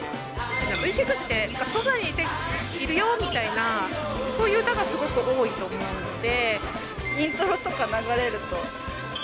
Ｖ６ってそばにいるよみたいな、そういう歌がすごく多いと思イントロとか流れると、あ！